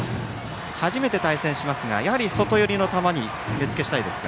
初めて対戦しますがやはり外寄りの球に目付けしたいですか。